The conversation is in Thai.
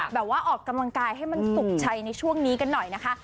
ออกกำลังกายให้มันสุขชัยในช่วงนี้กันหน่อยนะคะ